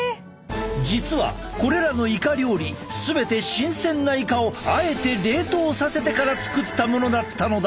実はこれらのいか料理全て新鮮ないかをあえて冷凍させてから作ったものだったのだ！